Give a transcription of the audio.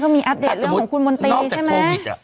มีอัปเดตเรื่องของคุณมนตรีใช่ไหม